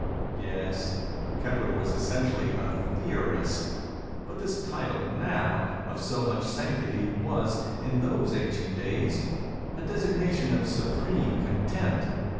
"Yes, Kepler was essentially a theorist; but this title, now of so much sanctity, was, in those ancient days, a designation of supreme contempt.